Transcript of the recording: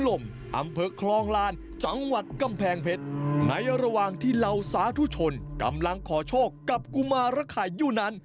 อำเภอคลองลานจังหวัดกำแพงเพชรในระหว่างที่เหล่าสาธุชนกำลังขอโชคกับกุมารไข่อยู่นั้น